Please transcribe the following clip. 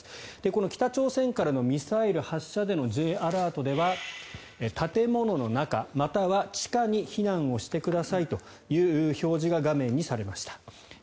この北朝鮮からのミサイル発射でのＪアラートでは建物の中、または地下に避難をしてくださいという表示が画面にされました。